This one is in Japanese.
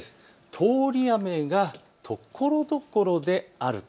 通り雨がところどころであると。